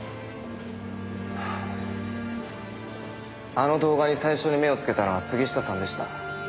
あの動画に最初に目をつけたのは杉下さんでした。